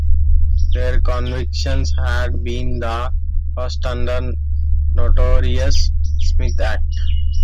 Their convictions had been the first under the notorious Smith Act.